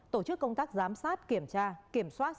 tổ chức công tác giám sát kiểm tra kiểm soát